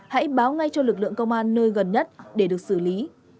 hãy báo ngay cho lực lượng công an nơi gần nhất để được xử lý